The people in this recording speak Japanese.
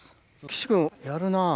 岸君やるな。